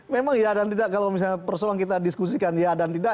memang iya dan tidak kalau misalnya persoalan kita diskusikan ya dan tidak